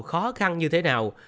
khó khăn như thế nào